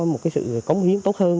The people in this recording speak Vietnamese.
một cái sự cống hiến tốt hơn